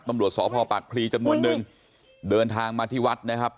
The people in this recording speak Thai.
ตำรวจสพปากพลีจำนวนนึงเดินทางมาที่วัดนะครับ